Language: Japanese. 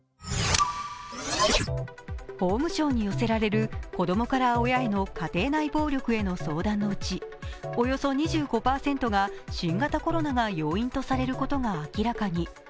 法務省に寄せられる、子供から親への家庭内暴力への相談のうちおよそ２５％が新型コロナが要因とされることが明らかに。